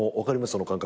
その感覚。